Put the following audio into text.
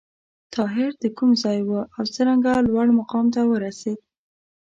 طاهر د کوم ځای و او څرنګه لوړ مقام ته ورسېد؟